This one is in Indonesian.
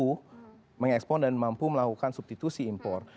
atau industri industri yang mampu mengekspon dan mampu melakukan substitusi impor